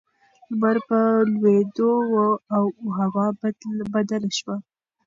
لمر په لوېدو و او هوا بدله شوه.